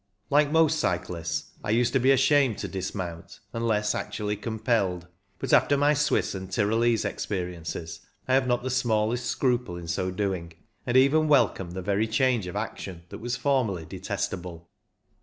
Like most cyclists, I used to be ashamed to dismount unless actually compelled ; but after my Swiss and Tyrolese experiences, I have not the smallest scruple in so doing, and even wel come the very change of action that was formerly detestable.